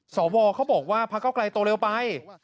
สวเขาบอกว่าพระเก้าไกลโตเร็วไป